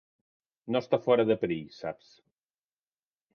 No està fora de perill, saps.